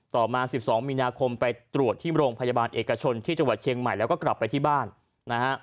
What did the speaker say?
ต่อมา๑๒มีนาคมไปตรวจที่โรงพยาบาลเอกชนที่จังหวัดเชียงใหม่แล้วก็กลับไปที่บ้านนะฮะ